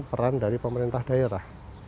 peran dari pemerintah daerah